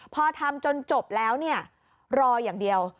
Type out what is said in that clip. พอทำจนจบแล้วเนี่ยรออย่างเดียว